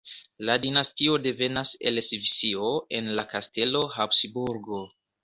La dinastio devenas el Svisio en la kastelo Habsburgo.